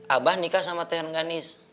abah nikah sama t h ganis